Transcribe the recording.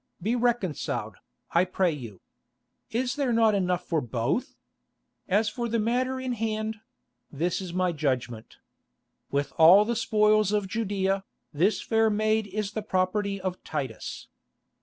Be reconciled, I pray you. Is there not enough for both? As for the matter in hand—this is my judgment. With all the spoils of Judæa, this fair maid is the property of Titus.